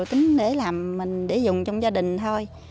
tính để dùng trong gia đình thôi